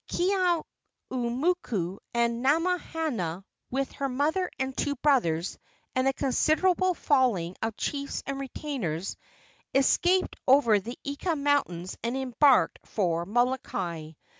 Keeaumoku and Namahana, with her mother and two brothers, and a considerable following of chiefs and retainers, escaped over the Eka mountains and embarked for Molokai.